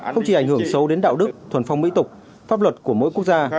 không chỉ ảnh hưởng sâu đến đạo đức thuần phong mỹ tục pháp luật của mỗi quốc gia